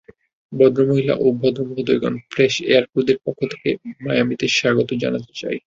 ভদ্রমহিলা ও ভদ্রমহোদয়গণ, ফ্রেশ এয়ার ক্রুদের পক্ষ থেকে, মায়ামিতে স্বাগত জানাতে চাই।